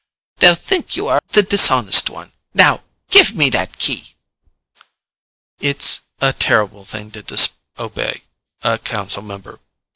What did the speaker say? They'll think you are the dishonest one. Now, give me that Key!" It's a terrible thing to disobey a council member.